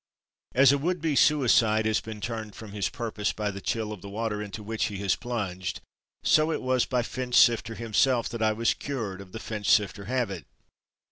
As a would be suicide has been turned from his purpose by the chill of the water into which he has plunged—so it was by Finchsifter himself that I was cured of the Finchsifter habit.